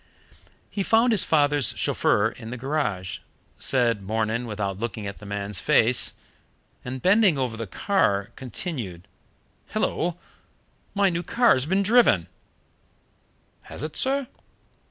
He found his father's chauffeur in the garage, said, "Morning" without looking at the man's face, and, bending over the car, continued: "Hullo! my new car's been driven!" "Has it, sir?"